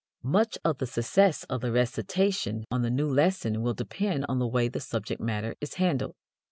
Much of the success of the recitation on the new lesson will depend on the way the subject matter is handled.